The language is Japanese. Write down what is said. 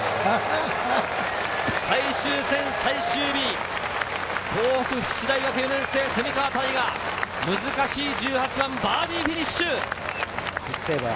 最終戦・最終日、東北福祉大学４年生、蝉川泰果、難しい１８番、バーディーフィニッシュ！